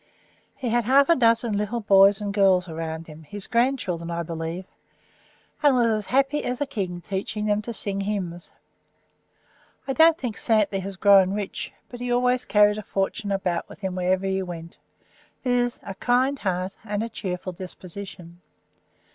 He had half a dozen little boys and girls around him his grandchildren, I believe and was as happy as a king teaching them to sing hymns. I don't think Santley had grown rich, but he always carried a fortune about with him wherever he went, viz., a kind heart and a cheerful disposition.